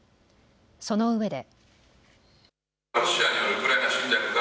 そのうえで。